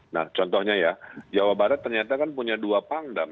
nah contohnya ya jawa barat ternyata kan punya dua pangdam